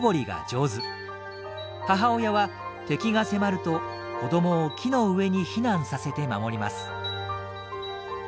母親は敵が迫ると子どもを木の上に避難させて守ります。